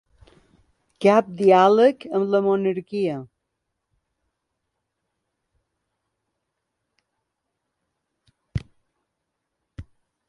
Cap diàleg amb la monarquia.